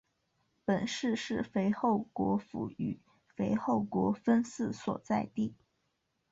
本市是肥后国府与肥后国分寺所在地。